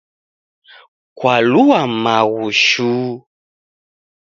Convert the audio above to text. Kwalua maghu shuu.